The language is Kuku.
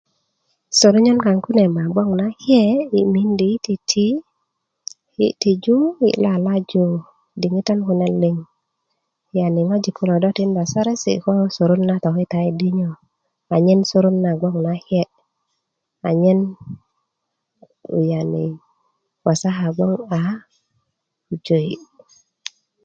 soronyön kaŋ kune ma bgoŋ nake yi mindi yi titi yi tiju yi lalaju diŋitan kune liŋ yani ŋojik kulo do tikinda saresi ko soron na tokitayi dinyo anyen wasaka bgoŋ a pujö yi